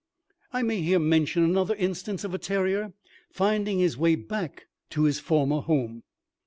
I may here mention another instance of a terrier finding his way back to his former home.